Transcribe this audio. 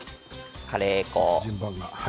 カレー粉を。